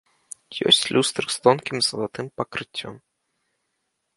Ёсць люстры з тонкім залатым пакрыццём.